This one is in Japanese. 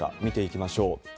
見ていきましょう。